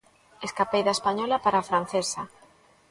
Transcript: escapei da española para a francesa.